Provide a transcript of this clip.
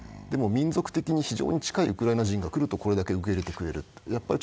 でも民族的に非常に近いウクライナ人が来るとこれだけ受け入れてくれる。